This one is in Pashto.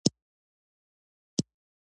کندوګان به ډک شي.